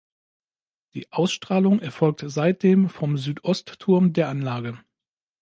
Die Ausstrahlung erfolgt seitdem vom Südostturm der Anlage.